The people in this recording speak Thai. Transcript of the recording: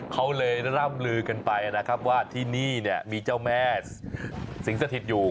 เขาเลยร่ำลือกันไปนะครับว่าที่นี่เนี่ยมีเจ้าแม่สิงสถิตอยู่